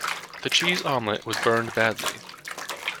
The cheese omelette was burned badly.